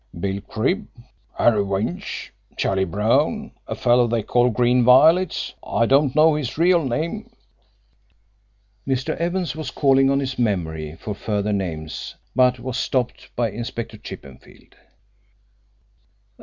"Bill Cribb, Harry Winch, Charlie Brown, a fellow they call 'Green Violets' I don't know his real name " Mr. Evans was calling on his memory for further names but was stopped by Inspector Chippenfield.